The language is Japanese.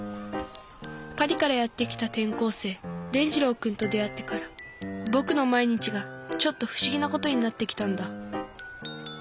パリからやって来たてん校生伝じろうくんと出会ってからぼくの毎日がちょっとふ思ぎなことになってきたんだ。